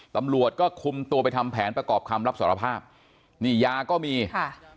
ตำรวจก็คุมตัวไปทำแผนประกอบคำรับสารภาพนี่ยาก็มีค่ะ